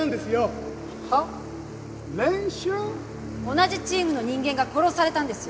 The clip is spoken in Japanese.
同じチームの人間が殺されたんですよ。